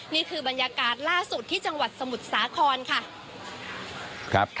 นี่คือบรรยากาศล่าสุดที่จังหวัดสมุทรสาครค่ะ